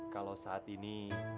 kalau saat ini